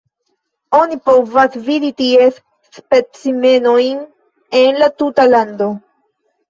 Oni povas vidi ties specimenojn en la tuta lando.